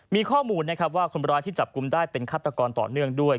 มีข้อมูลนะครับว่าคนร้ายที่จับกลุ่มได้เป็นฆาตกรต่อเนื่องด้วย